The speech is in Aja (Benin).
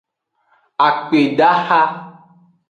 Akpedaha.